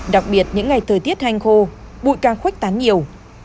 đặc biệt những ngày thời tiết hành khô bụi càng khuếch tán nhiều